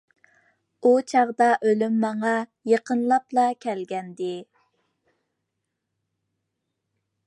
ئۇ چاغدا ئۆلۈم ماڭا يېقىنلاپلا كەلگەنىدى.